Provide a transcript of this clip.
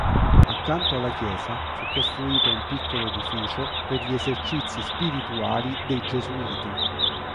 Accanto alla chiesa fu costruito un piccolo edificio per gli esercizi spirituali dei gesuiti.